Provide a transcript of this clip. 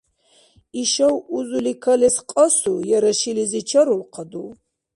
Ишав узули калес кьасу яра шилизи чарулхъаду?